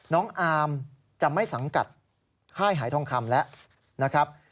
น้องอาร์มจะไม่สังกัดค่ายหายทองคำแล้วนะครับ